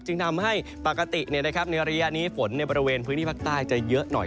จึงทำให้ปกติในระยะนี้ฝนในบริเวณพื้นที่ภาคใต้จะเยอะหน่อย